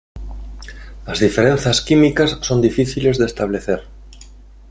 As diferenzas químicas son difíciles de establecer